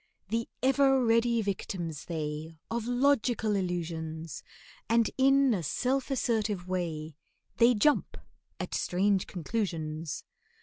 The ever ready victims they, Of logical illusions, And in a self assertive way They jump at strange conclusions.